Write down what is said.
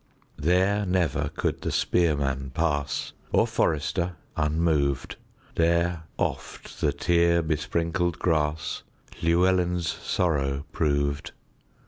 There never could the spearman pass, Or forester, unmoved; There oft the tear besprinkled grassLlewelyn's sorrow proved.